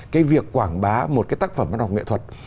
cái việc quảng bá một cái tác phẩm văn học nghệ thuật